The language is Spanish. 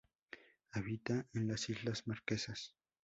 Habita en las islas Marquesas.